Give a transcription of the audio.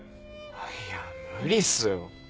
あっいや無理っすよ。